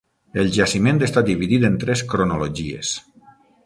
El jaciment està dividit en tres cronologies.